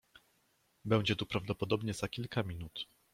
"Będzie tu prawdopodobnie za kilka minut."